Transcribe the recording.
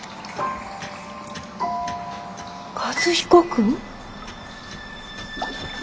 和彦君。